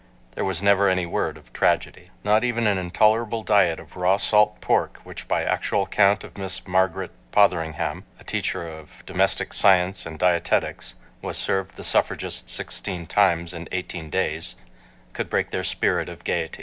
There was never any word of tragedy. Not even an intolerable diet of raw salt pork, which by actual count of Miss Margaret Potheringham, a teacher of Domestic Science and Dietetics, was served the suffragists sixteen times in eighteen days, could break their spirit of gayety.